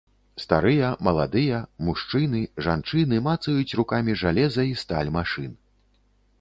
Старыя, маладыя, мужчыны, жанчыны мацаюць рукамі жалеза і сталь машын.